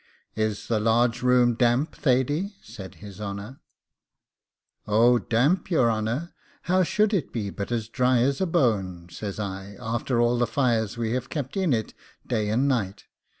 'Is the large room damp, Thady?' said his honour. 'Oh damp, your honour! how should it be but as dry as a bone,' says I, 'after all the fires we have kept in it day and night?